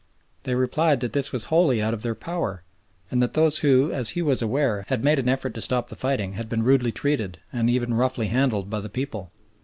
They replied that this was wholly out of their power, and that those who, as he was aware, had made an effort to stop the fighting had been rudely treated, and even roughly handled, by the people.